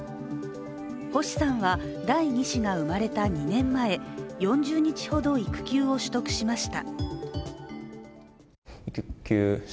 星さんは第２子が生まれた２年前、４０日ほど育休を取得しました。